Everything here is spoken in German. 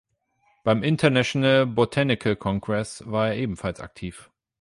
Beim International Botanical Congress war er ebenfalls aktiv.